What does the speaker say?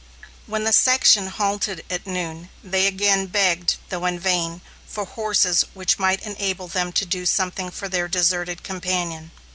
When the section halted at noon, they again begged, though in vain, for horses which might enable them to do something for their deserted companion.